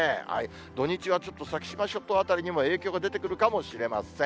土日はちょっと先島諸島辺りにも影響が出てくるかもしれません。